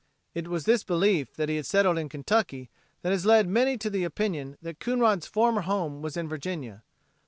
It was this belief that he had settled in Kentucky that has led many to the opinion that Coonrod's former home was in Virginia.